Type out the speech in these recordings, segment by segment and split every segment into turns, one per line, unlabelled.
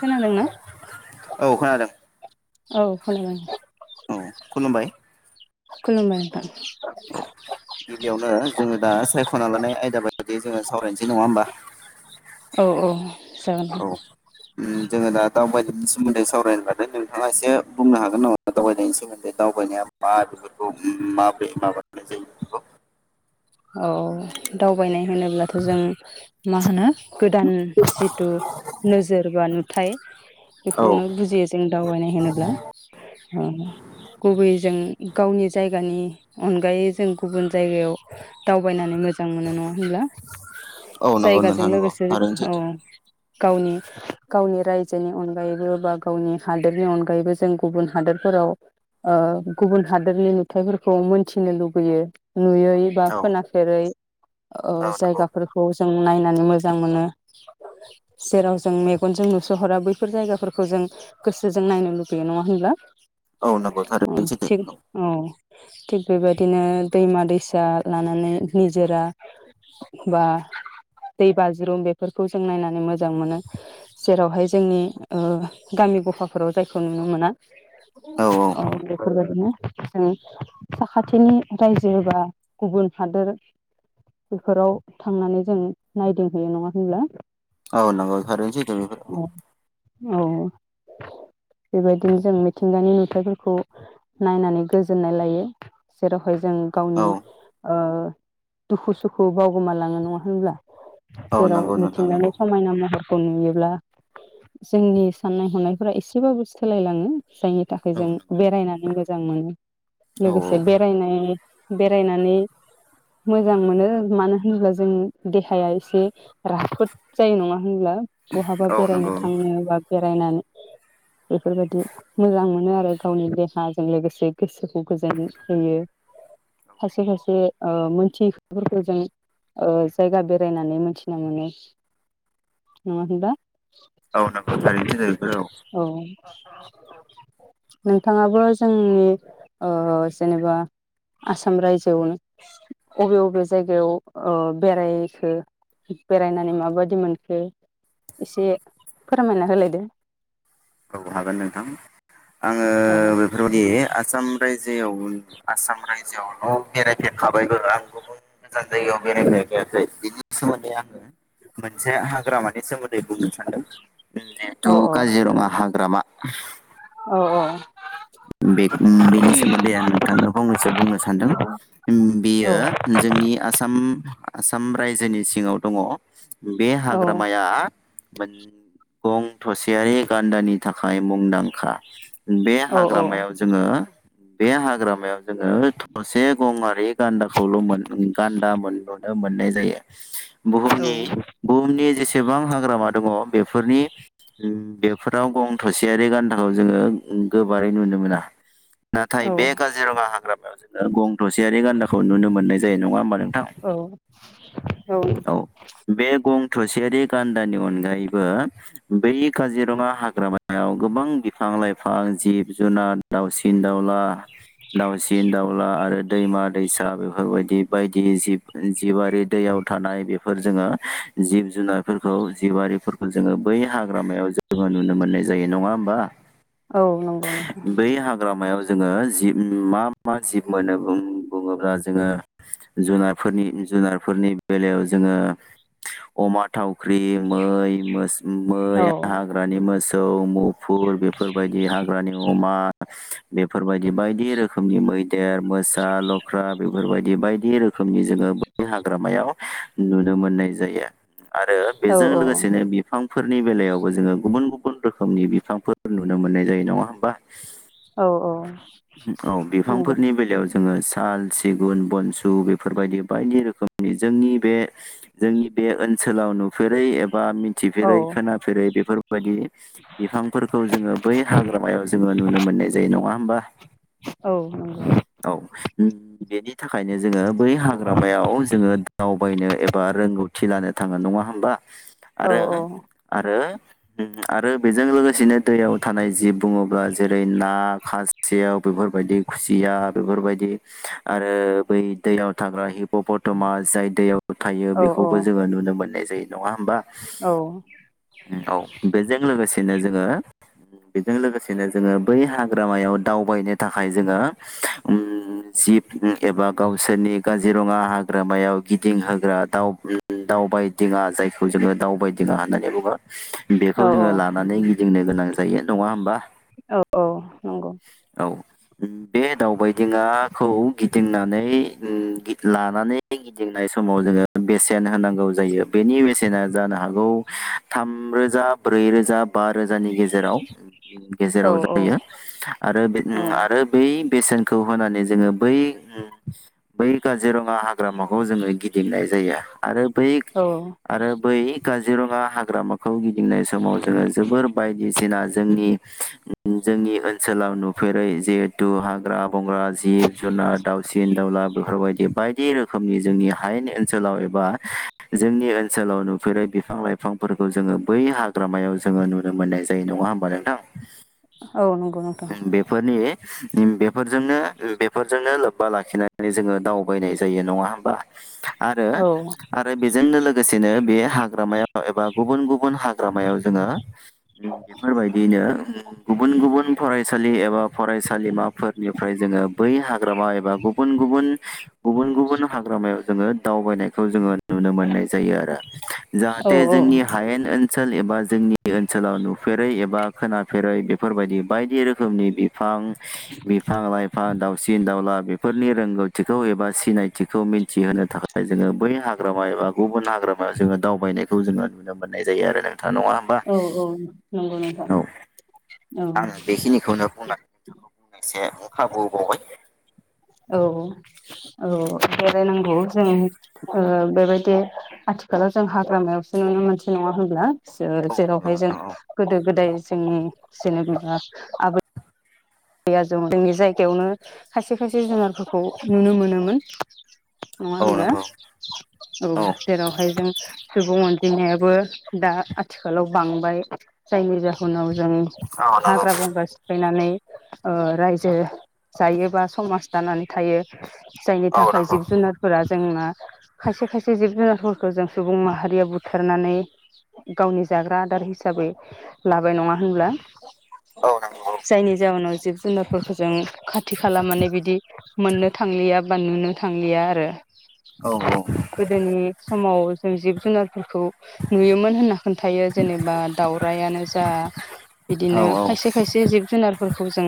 खोनादोंना
औ खोनादों।
औ खोनादों।
औ खुलुमबाय।
खुलुमबाय नोंथां।
गिबियावनो जोङो दा सायख'ना लानाय। आयदा बायदि जोङो सावरायनोसै नङा होमबा‌
औ औ जागोन‌ नोंथां।
जोङो दा दावबायनायनि सोमोन्दै सावरायनो लादों नोंथाङा एसे बुंनो हागोन नामा दावबायनायनि सोमोन्दै दावबायनाया मा बेफोरखौ माबोरै माबानाय जायो बेखौ
औ दावबायनाय। होनोब्लाथ' जों मा होनो गोदान जिथु नोजोर बा नुथाय
औ
बेखौनो बुजियो जों दावबायनाय होनोब्ला। उम गुबैयै जों गावनि जायगानि अनगायै जों गुबुन जायगायाव दावबायनानै मोजां। मोजां मोनो नङा होनब्ला
औ नंगौ
जायगाजों
नोंथां नंगौ
लोगोसे
थारैनो
औ।
सैथो
गावनि गावनि रायजोनि अनगायैबो बा गावनि हादोरनि अनगायैबो जों गुबुन हादोरफोराव ओ गुबुन हादोरनि नुथाइफोरखौ मोनथिनो लुबैयो नुयै- बा
औ
खोनाफेरै ओ
औ नंगौ
जायगाफोरखौ जों जों नायनानै मोजां मोनो जेराव जों मेगनजों नुसहरा बैफोर जायगाफोरखौ जों गोसोजों नायनो लुबैयो नङा होनब्ला।
औ नंगौ
[unintelligible]
थारैनो सैथो
औ थिग बेबायदिनो दैमा दैसा लानानै निजोरा बा दै बाज्रुम बेफोरखौ जों नायनानै मोजां मोनो जेरावहाय जोंनि ओ गामि गफाफोराव जायखौ नुनो मोना।
औ
[unintelligible] [unintelligible] जों साखाथिनि रायजो बा गुबुन हादोर बेफोराव थांनानै जों नायदिंहैयो नङा होनब्ला‌।
औ नांगौ थारैनो सैथो बेफोर।
औ बेबायदिनो जों मिथिंगानि नुथायाइफोरखौ नायनानै गोजोननाय लायो जेराव हय जों
औ
गावनि ओ दुखु सुखु बावगोमालाङो नङा होनब्ला।
औ
जेराव
नंगौ नोंथां
मिथिंगानि
नंगौ
समायना महर। खौ नुयोब्ला जोंनि साननाय हनायफोरा एसेबाबो सोलायलाङो। जायनि थाखाय
औ
जों
नंगौ
बेरायनानै मोजां मोनो
औ
लोगोसे बेरायनाय बेरायनानै मोजां मोनो मानो होनब्ला जों देहाया एसे राफोद जायो नङा। मानो होनब्ला बहाबा
औ
बेरायनो
नंगौ
थांनोबा। बेरायनानै बेफोरबायदि मोजां मोनो आरो गावनि देहाजों लोगोसे गोसोखौ गोजोन होयो। सासे फासे मोनथिफोरखौ जों जायगा बेरायनानै मोनथिना मोनो नङा होनबा।
औ नंगौ थारैनो [unintelligible] औ
नोंथाङाबो जोंनि ओ जेनोबा। आसाम रायजोआवनो अबे बबे जायगायाव ओ बेरायखो बेरायनानै माबादि मोनखो एसे फोरमायना होलाय दे।
औ हागोन नोंथां। आङो
औ
बेफोरबायदि आसाम रायजोआव आसाम रायजोआवल बेरायफेरखाबायबो आं गुबुन गोजान जायगायाव बेरायफेरखायाखै बिनि सोमोन्दै आङो मोनसे हाग्रामानि सोमोन्दै बुंनो सानदों
औ
जिहेथु काजिरङा हाग्रामा
औ औ।
बे बेनि सोमोन्दै आं नोंथां फंनैसो बुंनो सानदों बेयो
औ
जोंनि आसाम आसाम रायजोनि सिङाव दङ बे
औ
हाग्रामाया मोन गं थसेयारि गान्दानि थाखाय थाखाय मुंदांखा बे
औ
हाग्रामा हाग्रामायाव जोङो बे हाग्रामायाव जोङो थसे गंआरि गान्दाखौल मोन गान्दा मोनल मोननाय जायो बुहुमनि बुहुमनि जेसेबां हाग्रामा दंङ बेफोर नि बेफोराव गं थसेरि गान्दाखौ जोङो गो गोबारै नुनो मोना नाथाय
औ
बे काजिरङा हाग्रामायाव गं थसेयारि गान्दाखौ नुनो मोननाय जायो नङा होमबा नोंथां
औ औ।
थसियारि गान्दानि अनगायैबो बै काजिरङा हाग्रामायाव गोबां बिफां लाइफां जिब जुनाद दाउसिन दाउला दाउसिन दाउला आरो। दैमा दैसा बेफोरबायदि बायदि जिब जिउआरि दैयाव थानाय बेफोर जोङो जिब जुनारफोरखौ जिबिफोरखौ जोङो बै हाग्रामायाव जोङो नुनो मोननाय जायो नङा होमबा
औ नंगौ नोंथां।
बै हाग्रामायाव जोङो जिब मा मा जिब मोनो बुङोब्ला जोङो जुनारफोरनि जुनारफोरनि बेलायाव जोङो अमा थावख्रि मै मोसौ मै
औ
हाग्रानि मोसा औ मुफुर बेफोरबायदि हाग्रा बेफोरबायदि बायदि रोखोमनि मैदेर मोसा लख्रा बेफोरबायदि बायदि रोखोमनि जोङो बै हाग्रामायाव नुनो मोननाय जायो। आरो
औ
बेजों लोगोसेनो बिफां फोरनि बेलायावबो जोङो गुबुन गुबुन रोखोमनि बिफांफोर नुनो मोननाय जायो नङा होमबा।
औ औ।
औ
नंगौ
बिफांफोरनि बेलायाव जो -ङो साल सिगुन बनसु बेफोरबायदि बायदि रोखोमनि जोंनि बे जोंनि बे ओनसोलाव नुफेरै बा
औ
मिथिफेरै खोनाेफेरै बेफोर बायदि बिफांफोरखौ जोङो बै हाग्रामायाव जोङो नुनो मोननाय जायो नङा होमबा।
औ नंगौ
औ। बेनि थाखायनो जोङो बै हाग्रामायाव जोङो दावबायनो एब बा रोंगौथि लानो थाङो नङा होमबा।
औ
आरो आरो आरो बेजों लोगोसेनो दैयाव थानाय जिब बुङोब्ला जेरै ना खासेव बेफोरबायदि खुसिया बेफोरबायदि आरो बै दैयाव थाग्रा हिप पतमा जाय दैयाव थायो बेखौबो जोङो नुनो मोनो। नाय जायो नङा होमबा?
औ।
-नो जोङो बेजों लोगोसेनो जोङो बै हाग्रामायाव दावबायनो थाखाय जोङो ओम जिब एबा गावसोरनि काजिरङा हाग्रामायाव गिदिंहोग्रा दाव ओम दावबायदिङा जायखौ जोङो दावबायदिङा होननानै बुङो। बेखौ
औ
जोङो लानानै गिदिंनो गोनां जायो नङा होमबा।
औ औ नंगौ।
बे दावबायदिङा -ङाखौ गिदिंनानै ओम लानानै गिदिंनाय समाव जोङो बेसेन होनांगौ जायो बेनि बेसेना जानो हागौ थामरोजा ब्रै रोजा बा रोजानि गेजेराव
औ
गेजेराव जायो आरो बे नों बै बेसेनखौ होनानै जोङो बै ओम बै काजिरङा हाग्रामाखौ जोङो गिदिंनाय जायो। आरो बै
औ
आरो बै काजिरङा हाग्रामा होम फिननाय समाव जोङो जोबोर बायदिसिना जोंनि जोंनि ओनसोलाव नुफेरै जिहेतु हाग्रा बंग्रा जिब जुनार दावसिन दाउला बेफोरबायदि बायदि रोखोमनि जोंनि हायेन ओनसोलाव एबा जोंनि ओनसोलाव नुफेरै बिफां लाइफांफोरखौ जोङो बै हाग्रामायाव जोङो नुनो मोननाय जायो नङा होमबा नोंथां।
औ नंगौ नोंथौ।
बेफोरनि बेफोरजोंनो बेफोरजोंनो लोब्बा लाखिनानै जोङो दावबायनाय जायो नङा होमबा। आरो
औ
आरो बेजो जोंनो लोगोसेनो बेयो हाग्रामायाव एबा गुबुन गुबुन हाग्रामायाव जोङो बेफोरबायदियैनो ओम गुबुन गुबुन फरायसालि एबा फरायसालिमाफोरनिफ्राय जोङो बै हाग्रामा एबा गुबुन गुबुन गुबुन गुबुन हाग्रामायाव जोङो दावबायनायखौ जोङो नुनो मोननाय जायो आरो
औ
जाहाथे
औ
जोंनि हायेन ओन सोल एबा जोंनि ओनसोलाव नुफेरै एबा खोनाफेरै बेफोरबादि बायदि रोखोमनि बि फां बिफां लाइफां दाउ सिन दावला बेफोरनि रोंगौथिखौ एबा सिनायथिखौ मिन्थिहोनो थाखाय जोङो बै हाग्रामा एबा गुबुन हाग्रामायाव जोङो दावबायनायखौ जोङो नुनो मोननाय जायो आरो नों
औ औ नंगौ नोंथां
औ
औ।
से ओंखाबोबावबाय।
औ औ ओ बेरायनांगौ जों ओ बेबायदि आथिखालाव जों हाग्रामायावसो नुनो मोनसै नङा होमब्ला? जो
औ नंगौ
जेरावहाय जों
नोंथां औ
गोदो गोदाय जोंनि जेनेबा आबै आबै आजौ जोंनि जायगायावनो खायसे खायसे जुनारफोरखौ नुनो मोनोमोन। नङा
औ
होनब्ला
नंगौ
औ जेरावहाय जों सुबुं अनजिमायाबो दा आथिखालाव बांबाय जायनि जाहोनाव जों हाग्रा बंग्रा सिफायनानै ओ रायजो जायोबा समाज दानानै थायो जायनि
औ
थाखाय
नंगौ
जिब जुनारफोरा जोंना खायसे खायसे जिब जुना रफोरखौ जों सुबुं माहारिया बुथारनानै गावनि जाग्रा आदार हिसाबै लाबाय नङा होनब्ला?
औ नंगौ
जायनि जाउनाव जिब जुनारफोरखौ जों खाथि खाला माने बिदि मोननो थांलिया बा नुनो थांलिया आरो।
औ नंगौ औ
गोदोनि समाव जों जिब जुनारफोरखौ नुयोमोन होनना खोन्थायो जेनेबा दाउराइआनो जा बिदिनो खायसे खायसे जिब जुनार फोरखौ जों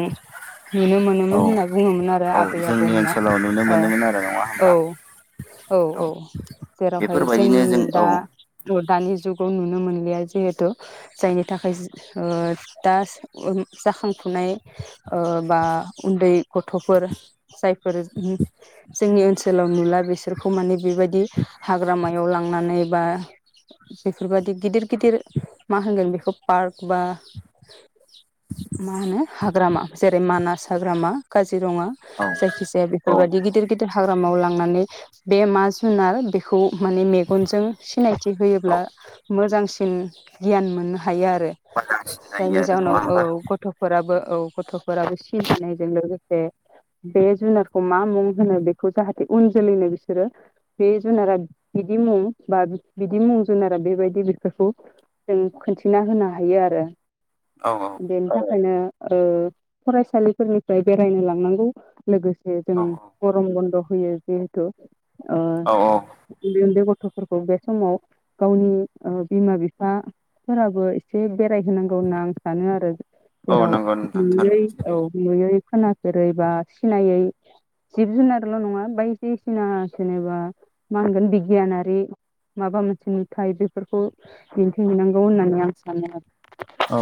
नुनो
औ
मोनोमोन होनना बुङोमोन आरो।
औ
आबै
जोंनि
आबौमोना
ओनसोलाव नुनो
औ
मोनोमोन आरो नङा
औ
होमबा?
औ औ जेरावहाय
बेफोरबायदिनो
जोंनि
जों औ
दा [unintelligible] दानि जुगाव नुनो मोनलिया जिहेथु जायनि थाखाय ओ दा [unintelligible] जाखां फुनाय ओ बा उन्दै गथ'फोर जायफोर ओम जोंनि ओनसोलाव नुला बिसोरखौ माने बेबायदि हाग्रा याव लांनानै बा बेफोरबादि गिदिर गिदिर मा होनगोन बेखौ पार्क बा मा होनो हाग्रामा जेरै मानास हाग्रामा जिरङा
औ
जायखि जाया बेफोरबायदि
नंगौ
गिदिर गिदिर हाग्रामायाव लां माने बे मा जुनार बेखौ माने मेगनजों सिनायथि
औ
होयोब्ला मोजां सिन गियान मोननो हायो आरो
मोजांसिन जायो
जायनि
आरो नङा
जाहोनाव औ
होमबा
गथ' फोराबो औ गथ'फोराबो सिबिनायजों लोगोसे बे जुनारखौ मा मुं होनो बेखौ जाहाथे उन जोलैनो बिसोरो बे जुनारा बिदि मुं बा बिदि मुं जुनारा बेबायदि बेफोरखौ जों खिन्थिना होनो हायो आरो
औ औ
ओनो ओ फरायसालिफोरनिफ्राय बेरायनो लांनांगौ लोगोसे जों
औ
गरम बन्द' होयो जिहेथु ओ
औ
उन्दै उन्दै गथ फोरखौ बे समाव गावनि ओ बिमा बिफाफोराबो एसे बेराय होनोनांगौ होनना आं सानो आरो
औ
जेराव
नंगौ नोंथां थारैनो
नुयै औ
सैथो
नुयै खोनाफेरै बा सिनायै जिब जुनारल' नङा बायदिसिना जेनेबा मा होनगोन बिगियानारि माबा मोनसे नुथाय बेफोरखौ दिन्थिहैनांगौ होननानै आं सानो आरो
औ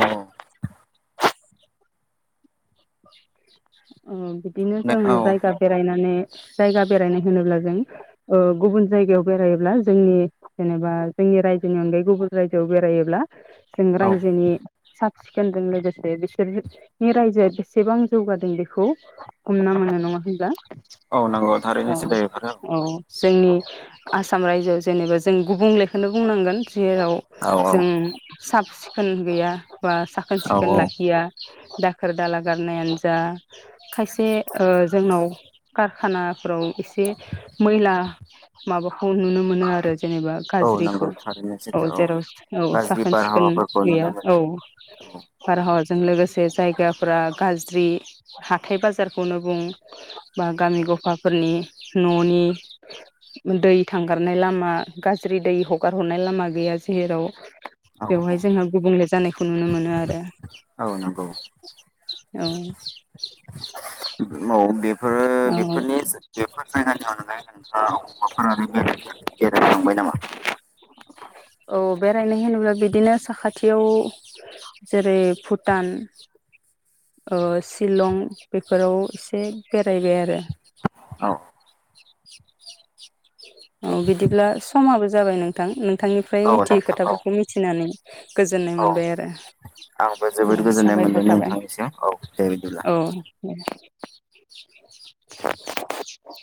उम। बिदिनो जों
औ
जायगा बेरायनानै जायगा बेरायनाय होनोब्ला जों ओ गुबुन जायगायाव बेरायोब्ला जोंनि जेनेबा जोंनि रायजोनि अनगायै गुबुन रायजोआव बेरायोब्ला जों
औ
रायजोनि सा खेनजों लोगोसे बेसोरनि राइजो एसेबां जौगादों बेखौ हमना मोनो नङा होनबा
औ नंगौ थारैनो [unintelligible] सिदाऔ
औ जोंनि आसाम रायजोआव जेनेबा जों गुबुंलेखौनो बुंनांगोन जेराव
औ
जों साफ सिखोन गैया बा साखोन
औ
सिखोन लाखिया दाखोर दाला गारनायानो जा खायसे ओ जोंनाव कारानाफ्राव एसे मैला माबाखौ नुनो मोनो आरो जेनेबा
औ
गाज्रिखौ
नंगौ थारैनो
औ
सैथो
जेराव औ
गाज्रि
साखोन सिखोन
बारहावाफोरखौ नुनो
गैया औ
मोनो औ
बारहावा जों लोगोसे जायगा फोरा गाज्रि हाथाय बाजारखौनो बुं बा गामि गफाफोरनि न'नि दै थांगारनाय लामा गाज्रि दै हगार हरनाय लामा गैया जेराव
औ
बेवहाय जोंहा गुबुंले जानायखौ नुनो मोनो आरो
औ नंगौ
औ।
औ बेफोरो
औ
बेफोरनि बेफोर जायगानि अनगायै औ गवालफारा ओरै बेरायफेर बेरायखांबाय नामा?
औ बेरायनाय होनोब्ला बिदिनो साखाथियाव जेरै भुटान ओ सिलं बेफोराव एसे बेरायबाय आरो।
औ।
औ बिदिब्ला समाबो जाबाय नोंथां नों थांनिफ्राय
औ
मिथियै
नोंथां औ
खोथाफोरखौ मिथिनानै गोजोननाय
औ
मोनबाय आरो
आंबो
औ
जोबोद गोजोननाय
साबायखर
मोनदों
थाबाय
नोंथांनिसिम औ दे बिदिब्ला
औ। [unintelligible]